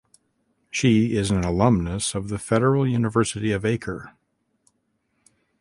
She is an alumnus of the Federal University of Acre.